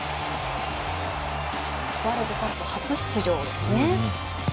ワールドカップ初出場ですね。